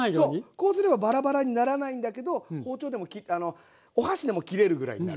こうすればバラバラにならないんだけどお箸でも切れるぐらいになると。